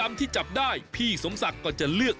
วันนี้พาลงใต้สุดไปดูวิธีของชาวเล่น